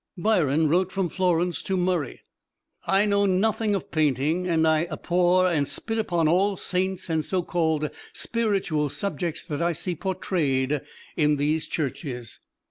Byron wrote from Florence to Murray: "I know nothing of painting, and I abhor and spit upon all saints and so called spiritual subjects that I see portrayed in these churches."